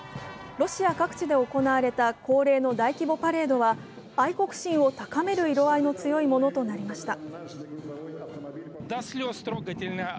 ロシア各地で行われた恒例の大規模パレードは愛国心を高める色合いの強いものとなりました。